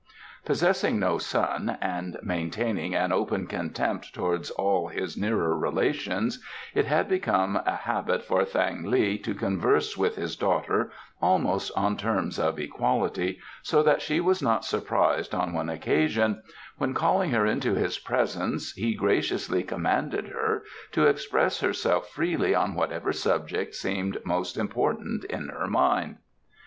Possessing no son, and maintaining an open contempt towards all his nearer relations, it had become a habit for Thang li to converse with his daughter almost on terms of equality, so that she was not surprised on one occasion, when, calling her into his presence, he graciously commanded her to express herself freely on whatever subject seemed most important in her mind.